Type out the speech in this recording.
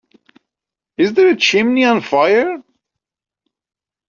Is there a chimney on fire?